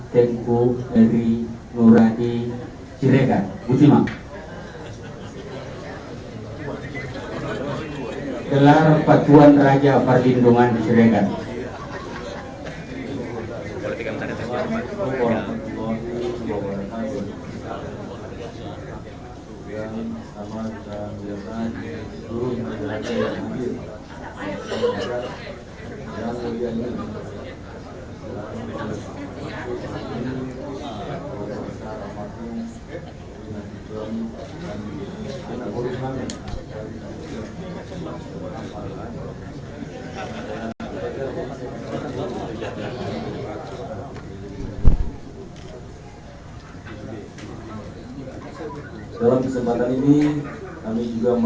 tarbuti mata nausudai besalam